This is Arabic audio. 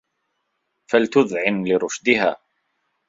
فَتُذْعِنُ لِرُشْدِهَا